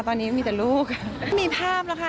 ตอนนี้มีแต่ลูกมีภาพแล้วค่ะ